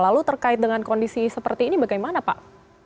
lalu terkait dengan kondisi seperti ini bagaimana pak